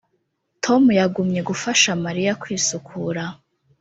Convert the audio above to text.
Tom yagumye gufasha Mariya kwisukura